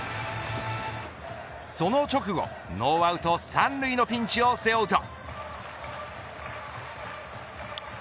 その直後ノーアウト３塁のピンチを背負うと。